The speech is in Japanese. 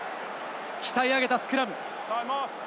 鍛え上げたスクラム。